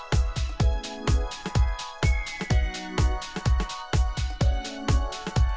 โรย